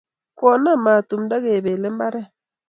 Konam mat tumdo kepele mbaret